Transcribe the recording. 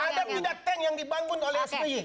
ada tiga tank yang dibangun oleh sby